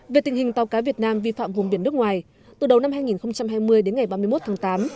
về tình hình tàu cá việt nam vi phạm vùng biển nước ngoài từ đầu năm hai nghìn hai mươi đến ngày ba mươi một tháng tám